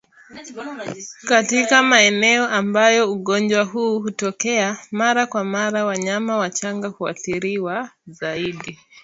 katika maeneo ambayo ugonjwa huu hutokea mara kwa mara Wanyama wachanga huathiriwa zaidi